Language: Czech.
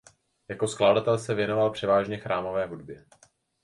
Jako skladatel se věnoval převážně chrámové hudbě.